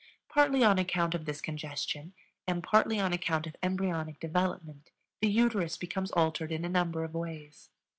Partly on account of this congestion and partly on account of embryonic development, the uterus becomes altered in a number of ways.